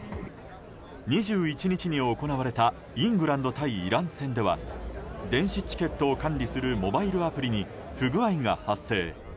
２１日に行われたイングランド対イラン戦では電子チケットを管理するモバイルアプリに不具合が発生。